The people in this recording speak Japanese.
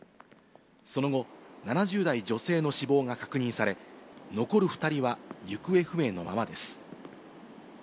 その後、７０代女性の死亡が確認され、残る２人は行方不明のままです。